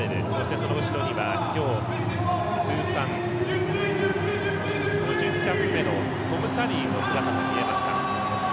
その後ろには今日、通算５０キャップ目のトム・カリーの姿も見えました。